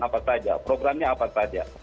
apa saja programnya apa saja